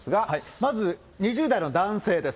まず２０代の男性です。